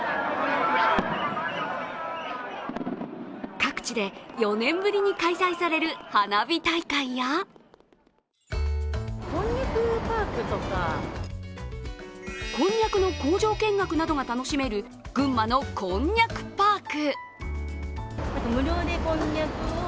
各地で４年ぶりに開催される花火大会やこんにゃくの工場見学などが楽しめる群馬のこんにゃくパーク。